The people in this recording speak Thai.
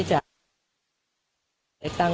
สามสอง